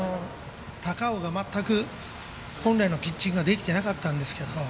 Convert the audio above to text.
高尾が全く本来のピッチングができてなかったんですけど。